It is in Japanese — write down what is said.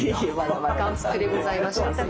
眼福でございました。